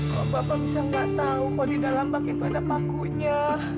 bapak bisa nggak tahu kalau di dalam bak itu ada paku nya